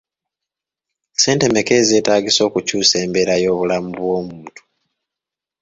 Ssente mmeka ezeeetaagisa okukyusa embeera y'obulamu bw'omuntu?